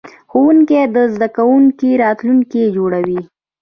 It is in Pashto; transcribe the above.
ښوونکی د زده کوونکي راتلونکی جوړوي.